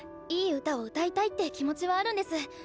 いい歌を歌いたいって気持ちはあるんです。